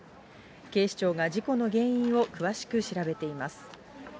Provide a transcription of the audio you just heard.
警視庁が事故の原因を詳しく調べています。